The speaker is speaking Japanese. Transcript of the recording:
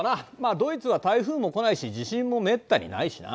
ドイツは台風も来ないし地震もめったにないしな。